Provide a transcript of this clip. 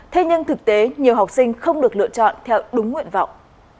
thế nhưng thực tế nhiều học sinh không được lựa chọn theo đúng nguyện vọng